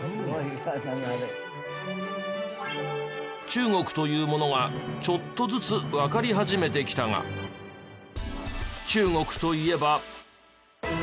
中国というものがちょっとずつわかり始めてきたが中国といえば。